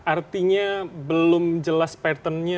artinya belum jelas pattern nya